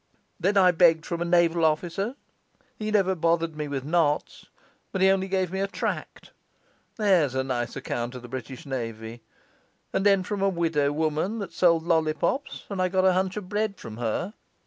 Then I begged from a naval officer he never bothered me with knots, but he only gave me a tract; there's a nice account of the British navy! and then from a widow woman that sold lollipops, and I got a hunch of bread from her.